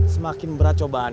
semakin berat cobaan